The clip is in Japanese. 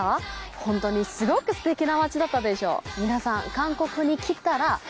ほんとにすごくすてきな街だったでしょ？